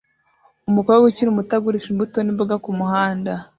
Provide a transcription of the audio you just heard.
Umukobwa ukiri muto agurisha imbuto n'imboga kumuhanda